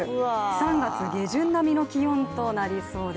３月下旬並みの気温となりそうです。